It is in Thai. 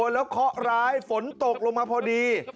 แล้วเคาะร้ายฝนตกลงมาพอดี